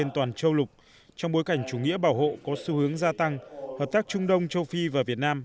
trong bối cảnh chủ nghĩa bảo hộ có xu hướng gia tăng hợp tác trung đông châu phi và việt nam